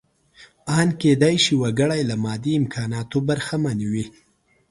ان کېدای شي وګړی له مادي امکاناتو برخمن وي.